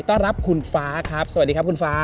ต้อนรับคุณฟ้าครับสวัสดีครับคุณฟ้า